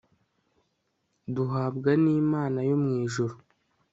duhabwa nimana yo mwijuru